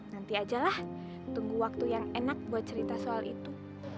nanti ajalah tunggu waktu yang enak buat cerita soal itu